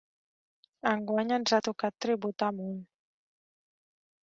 Enguany ens ha tocat tributar molt.